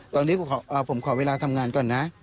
ตอนนี้ผมขอเวลาทำงานก่อนนะ